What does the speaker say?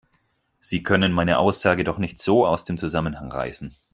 Sie können meine Aussage doch nicht so aus dem Zusammenhang reißen